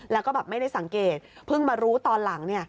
แล้วก็แบบไม่ได้สังเกตเพิ่งมารู้ตอนหลัง